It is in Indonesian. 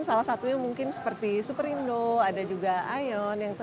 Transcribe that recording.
salah satunya mungkin seperti superindo ada juga ion